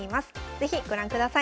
是非ご覧ください。